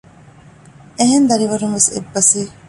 އެހެން ދަރިވަރުން ވެސް އެއްބަސްވި